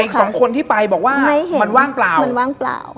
แต่อีก๒คนที่ไปบอกว่ามันว่างเปล่า